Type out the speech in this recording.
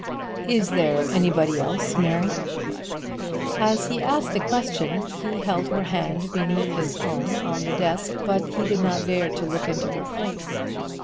"Is there anybody else, Mary?" As he asked the question he held her hand beneath his own on the desk, but he did not dare to look into her face.